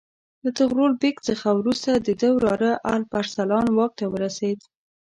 له طغرل بیګ څخه وروسته د ده وراره الپ ارسلان واک ته ورسېد.